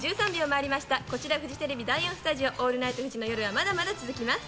こちらフジテレビ第４スタジオ『オールナイトフジ』の夜はまだまだ続きます。